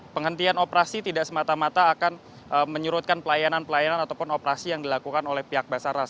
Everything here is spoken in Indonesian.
penghentian operasi tidak semata mata akan menyurutkan pelayanan pelayanan ataupun operasi yang dilakukan oleh pihak basarnas